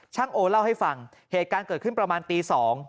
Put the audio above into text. โอเล่าให้ฟังเหตุการณ์เกิดขึ้นประมาณตี๒